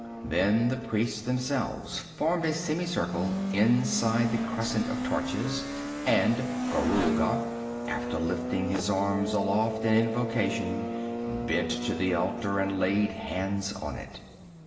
Then the priests themselves formed a semicircle inside the crescent of torches, and Gorulga, after lifting his arms aloft in invocation, bent to the altar and laid hands on it.